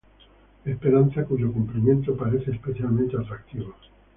Esperanza cuyo cumplimiento parece especialmente atractivo.